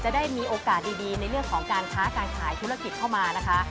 ได้มีโอกาสดีในเรื่องของการค้าการขายธุรกิจเข้ามานะคะ